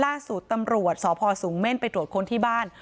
ล่าสุดตำรวจสพสูงเม่นไปตรวจคนที่บ้าน